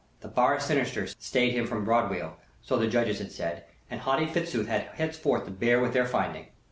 The bar sinister stayed him from Broadweald, so the judges had said, and haughty Fitzooth had perforce to bear with their finding.